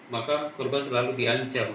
maka korban selalu diancam